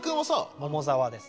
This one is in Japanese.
桃沢です。